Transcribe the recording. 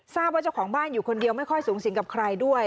ว่าเจ้าของบ้านอยู่คนเดียวไม่ค่อยสูงสิงกับใครด้วย